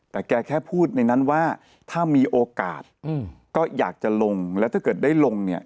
แต่แกแค่พูดในนั้นว่าถ้ามีโอกาสก็อยากจะลงแล้วถ้าเกิดได้ลงเนี่ย